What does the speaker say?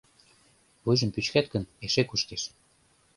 Вуйжым пӱчкат гын, эше кушкеш.